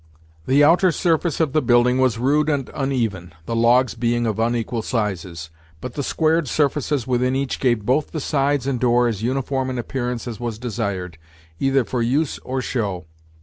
The outer surface of the building was rude and uneven, the logs being of unequal sizes; but the squared surfaces within gave both the sides and door as uniform an appearance as was desired, either for use or show.